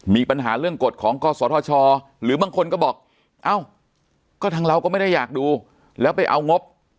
มีปัญหาเรื่องกฎของกศธชหรือบางคนก็บอกเอ้าก็ทางเราก็ไม่ได้อยากดูแล้วไปเอางบ